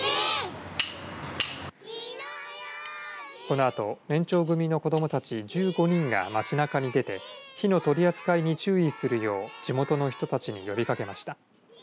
このあと年長組の子どもたち１５人が街なかに出て火の取り扱いに注意するよう地元の人たちに呼びかけました。